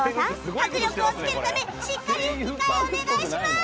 迫力をつけるためしっかり吹き替えお願いします